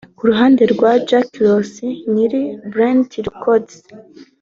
Ku ruhande rwa Jackross nyiri Bridge Records